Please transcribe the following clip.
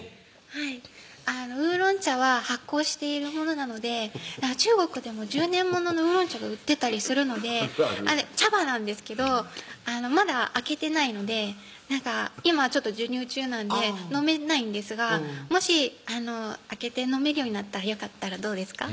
はいウーロン茶は発酵しているものなので中国でも１０年物のウーロン茶が売ってたりするので茶葉なんですけどまだ開けてないので今授乳中なんで飲めないんですがもし開けて飲めるようになったらよかったらどうですか？